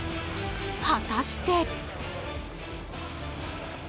果たして。